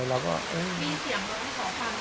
มีเสียงแล้วที่ขอความช่วย